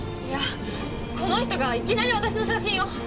いやこの人がいきなり私の写真を。